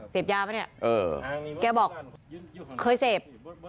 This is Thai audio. เสพยาปะเนี่ยแกบอกเคยเสพ